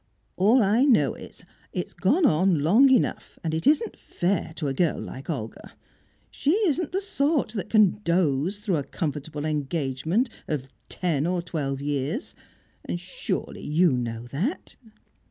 All I know is, it's gone on long enough, and it isn't fair to a girl like Olga. She isn't the sort that can doze through a comfortable engagement of ten or twelve years, and surely you know that."